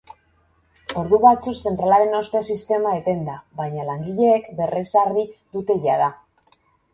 Ordu batzuz zentralaren hozte sistema eten da baina langileek berrezarri dute jada.